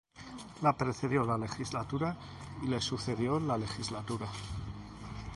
Le precedió la legislatura y le sucedió la legislatura.